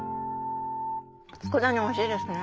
佃煮おいしいですね。